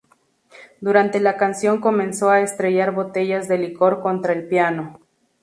Durante la canción comenzó a estrellar botellas de licor contra el piano.